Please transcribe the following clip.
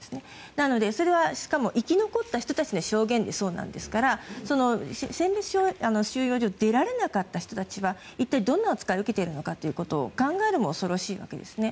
なので、それは生き残った人たちの証言でそうなんですから収容所を出られなかった人々はどんな扱いを受けているのか恐ろしいわけですね。